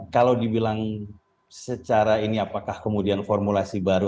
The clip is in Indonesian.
kalau dibilang secara ini apakah kemudian formulasi baru